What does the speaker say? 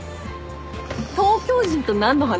東京人と何の話すんの？